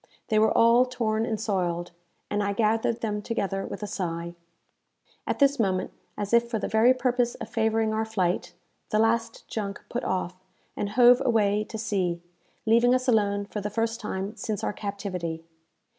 They were all torn and soiled, and I gathered them together with a sigh. At this moment, as if for the very purpose of favouring our flight, the last junk put off, and hove away to sea, leaving us alone for the first time since our captivity.